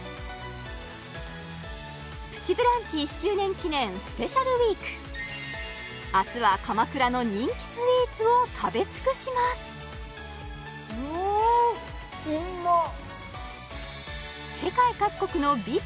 プチブランチ１周年記念スペシャルウィーク明日は鎌倉の人気スイーツを食べ尽くしますうわうまっ